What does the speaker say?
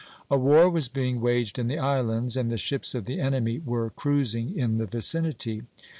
A war was being waged in the islands, and the ships of the enemy were cruising in the vicinity.